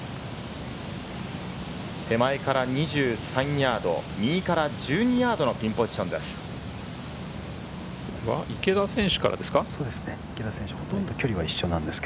手前から２３ヤード、右から１２ヤードのピンポジションです。